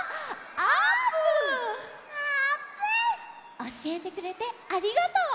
おしえてくれてありがとう！